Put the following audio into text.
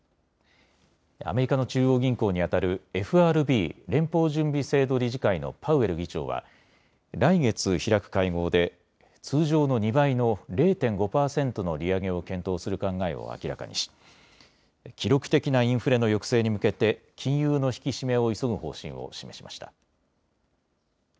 アメリカの中央銀行にあたるＦＲＢ・連邦準備制度理事会のパウエル議長は来月開く会合で通常の２倍の０．５％の利上げを検討する考えを明らかにし記録的なインフレの抑制に向けて金融の引き締めを急ぐ方針を示しました。